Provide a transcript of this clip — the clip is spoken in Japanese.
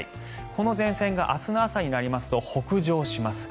この前線が明日の朝になりますと北上します。